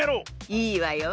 いいわよ。